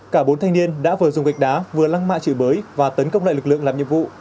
cả bốn thanh niên đã vừa dùng gạch đá vừa lăng mạ chửi bới và tấn công lại lực lượng làm nhiệm vụ